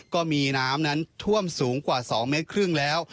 ก็มีน้ำนั้นท่วมสูงกว่า๒เมตรครึ่งแล้ว